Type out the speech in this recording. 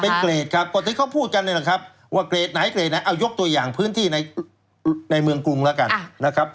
เป็นเกรดครับปกติเขาพูดกันเลยนะครับว่าเกรดไหนเอายกตัวอย่างพื้นที่ในเมืองกรุงแล้วกันนะครับ